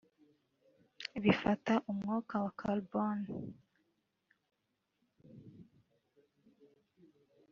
bifata umwuka wa carbone